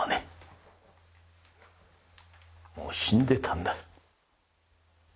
もう死んでたんだ。